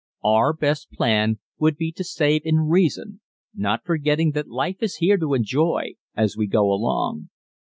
Our best plan would be to save in reason, not forgetting that life is here to enjoy as we go along.